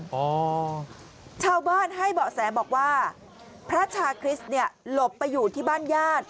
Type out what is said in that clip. อีกแห่งหนึ่งชาวบ้านให้เบาะแสบอกว่าพระชาคริสต์หลบไปอยู่ที่บ้านญาติ